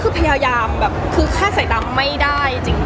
ก็พยายามเห็นแสดงไม่ได้จริง